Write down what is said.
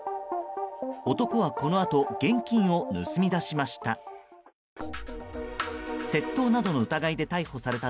男は、このあと現金を盗み出しました。